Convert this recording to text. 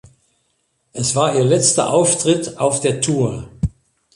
Es war ihr letzter Auftritt auf der Tour.